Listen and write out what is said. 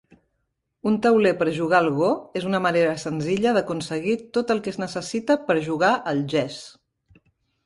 Un tauler per jugar al go és una manera senzilla d'aconseguir tot el que es necessita per jugar al "gess".